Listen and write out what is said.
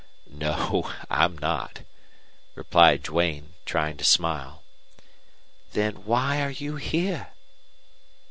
"No, I'm not," replied Duane, trying to smile. "Then why are you here?"